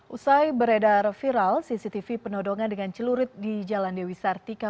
usai beredar viral cctv penodongan dengan celurit di jalan dewi sartika